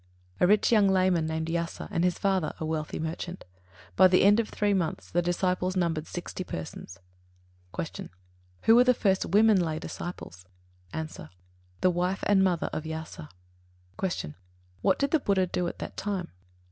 A rich young layman, named Yasa, and his father, a wealthy merchant. By the end of three months the disciples numbered sixty persons. 74. Q. Who were the first women lay disciples? A. The mother and wife of Yasa. 75. Q. _What did the Buddha do at that time?